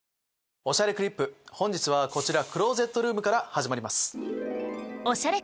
『おしゃれクリップ』本日はこちらクローゼットルームから始まります。